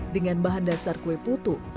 dengan bahan dasar kue putu